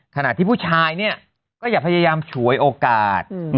ขณะที่ผู้ชายเนี่ยก็อย่าพยายามฉวยโอกาส